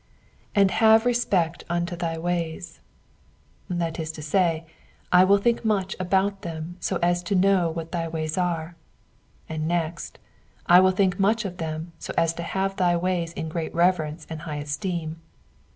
''^And haee retpect unto thy toays,^^ that is to say, I will think much about them so as to know what thy ways are ; and next, I will think much of them so as to have thy ways in great reverence and high esteem.